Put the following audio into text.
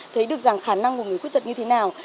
thấy được rằng khả năng của người khuyết tật như thế nào